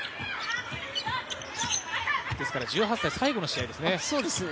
ですから１８歳最後の試合ですね。